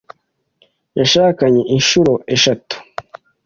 yashakanye inshuro eshatu.